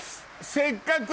せっかく。